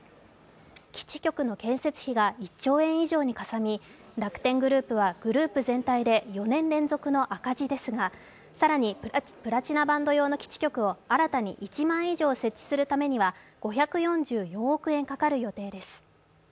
基地局の建設費が１兆円以上にかさみ楽天グループはグループ全体で４年連続の赤字ですが更にプラチナバンド用の基地局を新たに１万以上設置するためには５４４億円かかる予定です。